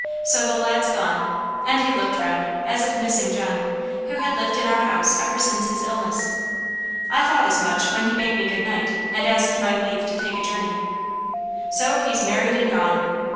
So the lad's gone;" and he looked round, as if missing John, who had lived in our house ever since his illness. "I thought as much, when he bade me goodnight, and asked my leave to take a journey. So he's married and gone!